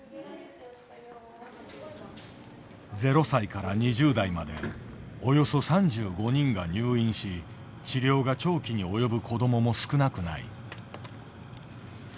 ０歳から２０代までおよそ３５人が入院し治療が長期に及ぶ子どもも少なくない。